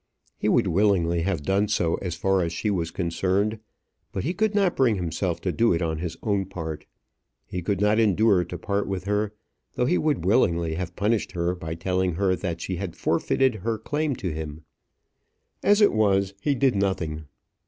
He would willingly have done so as far as she was concerned; but he could not bring himself to do it on his own part. He could not endure to part with her, though he would willingly have punished her by telling her that she had forfeited her claim to him. As it was, he did nothing.